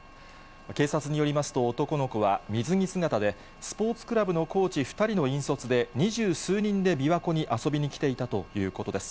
警察によりますと、男の子は水着姿で、スポーツクラブのコーチ２人の引率で、二十数人で琵琶湖に遊びに来ていたということです。